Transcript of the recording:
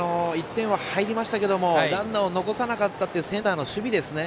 １点、入りましたがランナーを残さなかったセンターの守備ですね。